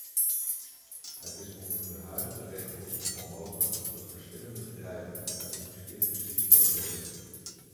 Het is onder de huidige regels al mogelijk dat verschillende bedrijven het investeringsrisico delen.